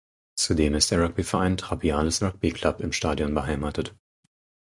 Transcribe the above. Zudem ist der Rugbyverein Trapiales Rugby Club im Stadion beheimatet.